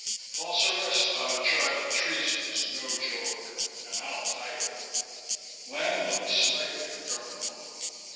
False arrest on a charge of treason is no joke and I'll fight." Lamb looked slightly uncomfortable.